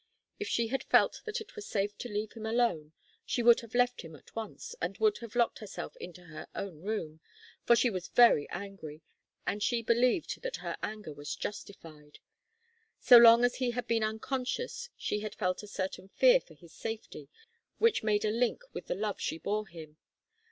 If she had felt that it were safe to leave him alone she would have left him at once and would have locked herself into her own room. For she was very angry, and she believed that her anger was justified. So long as he had been unconscious, she had felt a certain fear for his safety which made a link with the love she bore him.